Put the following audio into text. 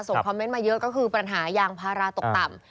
คอมเมนต์มาเยอะก็คือปัญหายางพาราตกต่ำ